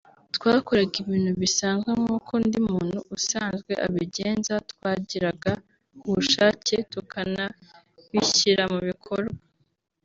”twakoraga ibintu bisanzwe nk’uko undi muntu usanzwe abigenza twagiraga ubushake tukanabishyira mu bikorwa